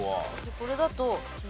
これだと。